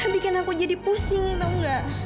bikin aku jadi pusing tau gak